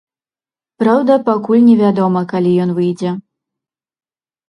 Праўда, пакуль не вядома, калі ён выйдзе.